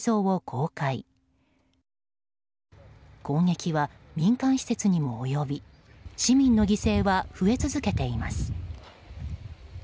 攻撃は民間施設にも及び市民の犠牲は増え続けています。